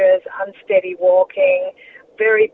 perjalanan yang tidak berhenti